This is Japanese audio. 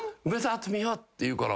って言うから。